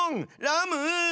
ラム！